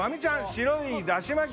白いだしまき